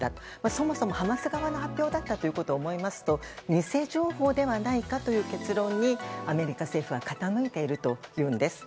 そもそもハマス側の発表だったということを思いますと偽情報ではないかという結論にアメリカ政府は傾いているというんです。